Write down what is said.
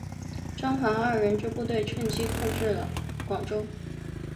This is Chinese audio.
张黄二人之部队趁机控制了广州。